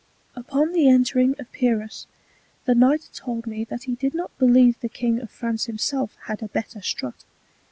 Upon the entring of Pyrrhus, the Knight told me that he did not believe the King of France himself had a better Strut.